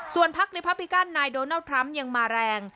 ส่วนภักดิ์ริปราบิกันนายโดนัลด์ทรัมป์ยังมาแรง